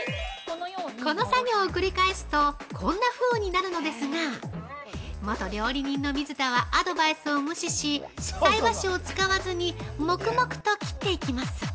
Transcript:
◆この作業を繰り返すとこんな風になるんですが、元料理人の水田はアドバイスは無視し、菜箸を使わずに、黙々と切っていきます。